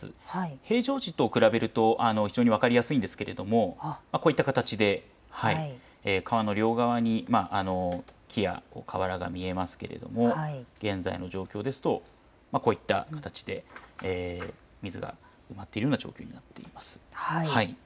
平常時と比べると非常に分かりやすいんですがこういった形で川の両側に木や河原が見えますが現在の状況ですとこういった形で水が上がっているような状況になっています。